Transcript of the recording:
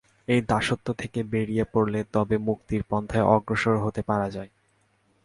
এ দাসত্ব থেকে বেরিয়ে পড়লে তবে মুক্তির পন্থায় অগ্রসর হতে পারা যায়।